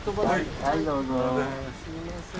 すみません。